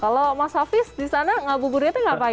kalau mas hafiz di sana nungguin buka puasa nggak apa apa ya